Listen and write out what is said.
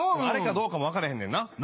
あれかどうかも分かれへんねんな。